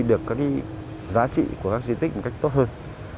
được các cái giá trị của các di tích một cách tốt hơn